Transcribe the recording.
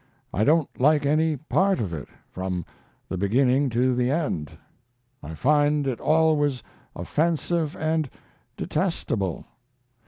I don't like any part of it, from the beginning to the end. I find it always offensive and detestable.